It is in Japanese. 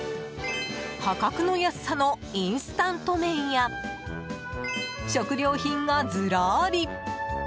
破格の安さのインスタント麺や食料品がずらり！